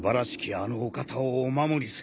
あのお方をお守りする。